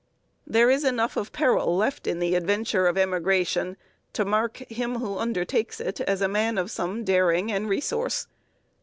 There is enough of peril left in the adventure of emigration to mark him who undertakes it as a man of some daring and resource.